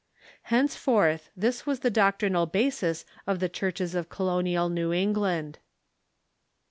Henceforth this was the doctrinal basis of the churches of colonial New England.